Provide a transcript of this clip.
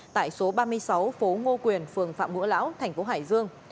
tại số ba mươi sáu phố ngô quyền phường phạm ngũ lão thành phố hải dương